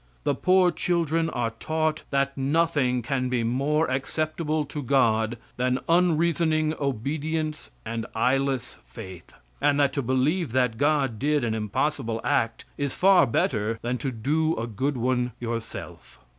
The poor children are taught that nothing can be more acceptable to God than unreasoning obedience and eyeless faith, and that to believe that God did an impossible act is far better than to do a good one yourself.